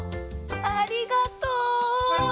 ありがとう！